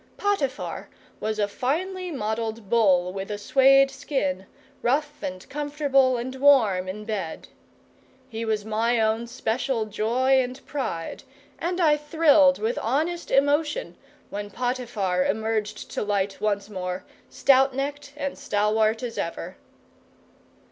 Potiphar was a finely modelled bull with a suede skin, rough and comfortable and warm in bed. He was my own special joy and pride, and I thrilled with honest emotion when Potiphar emerged to light once more, stout necked and stalwart as ever.